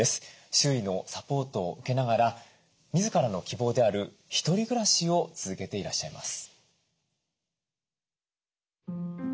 周囲のサポートを受けながら自らの希望である一人暮らしを続けていらっしゃいます。